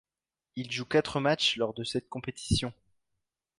Il joue quatre matchs lors de cette compétition.